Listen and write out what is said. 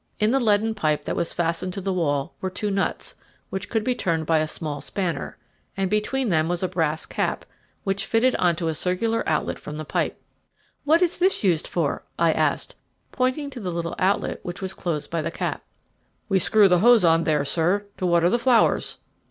In the leaden pipe that was fastened to the wall were two nuts, which could be turned by a small spanner, and between them was a brass cap, which fitted on to a circular outlet from the pipe. "What is this used for?" I asked, pointing to the little outlet which was closed by the cap. "We screw the hose on there, sir, to water the flowers."